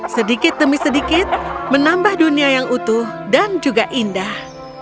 sedikit demi sedikit menambah dunia yang utuh dan juga indah